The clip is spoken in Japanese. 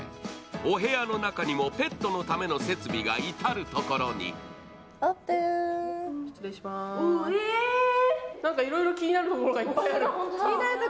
お部屋の中にもペットのための設備が至る所に何かいろいろ気になるところがいっぱいある。